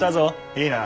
いいな。